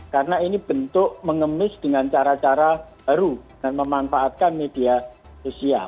karena ini bentuk mengemis dengan cara cara baru dan memanfaatkan media sosial